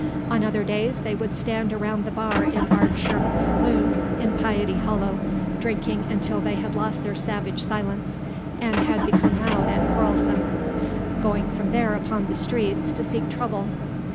On other days they would stand around the bar in Art Sherman's saloon in Piety Hollow drinking until they had lost their savage silence and had become loud and quarrelsome, going from there upon the streets to seek trouble.